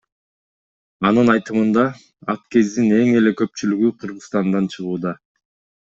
Анын айтымында, аткездин эң эле көпчүлүгү Кыргызстандан чыгууда.